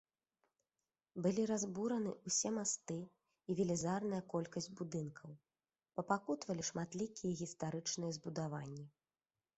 Былі разбураны ўсе масты і велізарная колькасць будынкаў, папакутавалі шматлікія гістарычныя збудаванні.